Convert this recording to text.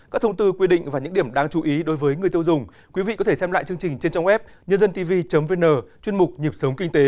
các thông tư quy định và những điểm đáng chú ý đối với người tiêu dùng